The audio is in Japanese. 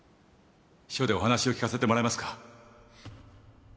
署でお話を聞かせてもらえますか？